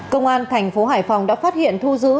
công an tp hải phòng đã phát hiện thu giữ